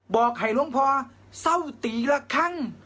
บอกให้หลวงพ่อเศร้าตีละครั้ง